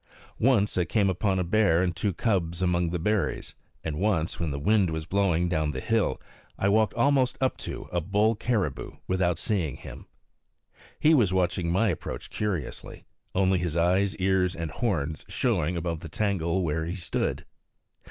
Once I came upon a bear and two cubs among the berries; and once, when the wind was blowing down the hill, I walked almost up to a bull caribou without seeing him. He was watching my approach curiously, only his eyes, ears, and horns showing above the tangle where he stood.